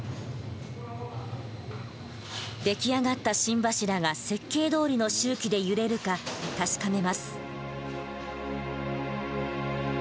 出来上がった心柱が設計どおりの周期で揺れるか確かめます。